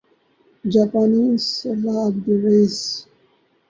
جاپانی سیلابریز